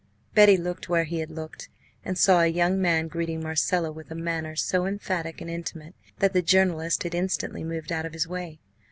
Betty looked where he had looked, and saw a young man greeting Marcella with a manner so emphatic and intimate, that the journalist had instantly moved out of his way.